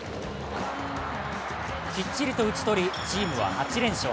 きっちりと打ち取りチームは８連勝。